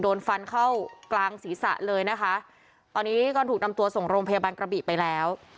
โดนฟันเข้ากลางศีรษะเลยนะคะตอนนี้ก็ถูกนำตัวส่งโรงพยาบาลกระบี่ไปแล้ว